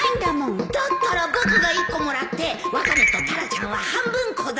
だったら僕が１個もらってワカメとタラちゃんは半分こだ